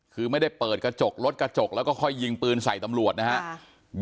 คือไม่ได้เปิดกระจกรถกระจกแล้วก็ค่อยยิงปืนใส่ตำรวจนะครับ